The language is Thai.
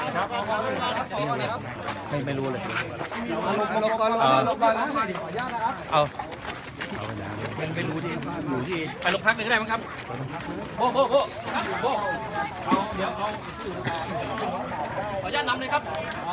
สวัสดีครับสวัสดีครับ